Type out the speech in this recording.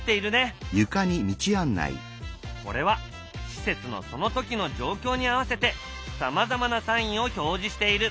これは施設のその時の状況に合わせてさまざまなサインを表示している。